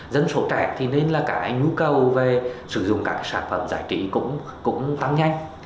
dân số trẻ thì nên là cái nhu cầu về sử dụng các sản phẩm giải trí cũng tăng nhanh